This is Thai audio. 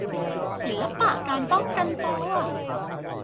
ศิลปะการป้องกันตัว